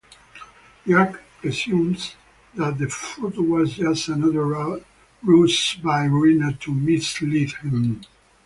Jack presumes that the photo was just another ruse by Irina to mislead him.